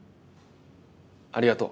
ありがとう。